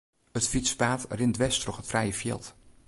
It fytspaad rint dwers troch it frije fjild.